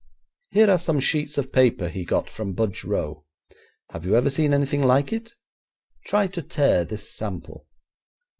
Here are some sheets of paper he got from Budge Row. Have you ever seen anything like it? Try to tear this sample.'